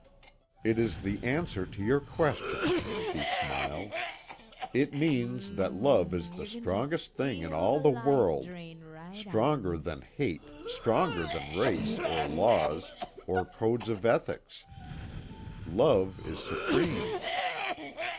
"It is the answer to your question," she smiled, "It means that love is the strongest thing in all the world stronger than hate, stronger than race, or laws, or codes of ethics. Love is supreme!"